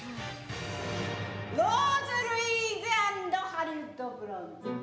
ローズ・ルイーズ・アンド・ハリウッド・ブロンド。